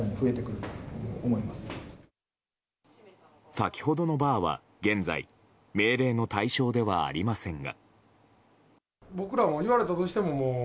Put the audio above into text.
先ほどのバーは現在命令の対象ではありませんが。